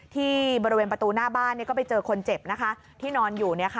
ที่บริเวณประตูหน้าบ้านก็ไปเจอคนเจ็บที่นอนอยู่